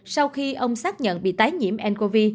sau khi ông xác nhận bị tái nhiễm ncov